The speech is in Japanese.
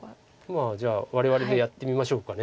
まあじゃあ我々でやってみましょうか。